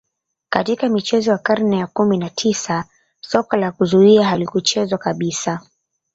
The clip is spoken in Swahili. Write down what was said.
Katika michezo ya karne ya kumi na tisa soka la kuzuia halikuchezwa kabisa